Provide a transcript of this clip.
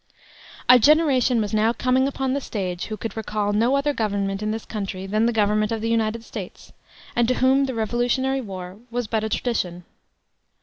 A generation was now coming upon the stage who could recall no other government in this country than the government of the United States, and to whom the Revolutionary War was but a tradition.